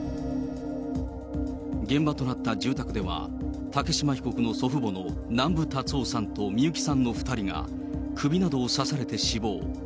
現場となった住宅では、竹島被告の祖父母の南部達夫さんと観雪さんの２人が首などを刺されて死亡。